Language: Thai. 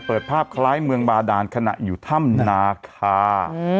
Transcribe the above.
เปิดภาพคล้ายเมืองบาดานขณะอยู่ถ้ำนาคา